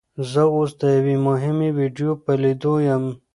زه اوس د یوې مهمې ویډیو په لیدو یم.